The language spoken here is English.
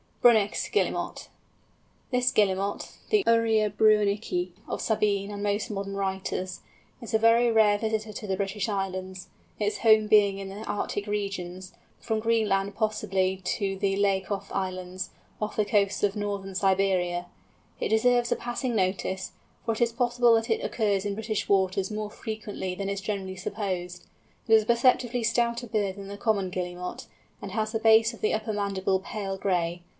BRUNNICH'S GUILLEMOT. This Guillemot, the Uria bruennichi of Sabine and most modern writers, is a very rare visitor to the British Islands, its home being in the Arctic regions, from Greenland possibly to the Liakoff Islands, off the coasts of northern Siberia. It deserves a passing notice, for it is possible that it occurs in British waters more frequently than is generally supposed. It is a perceptibly stouter bird than the Common Guillemot, and has the base of the upper mandible pale gray.